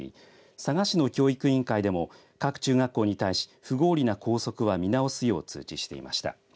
佐賀市の教育委員会でも各中学校に対し不合理な校則は見直すよう通知していました。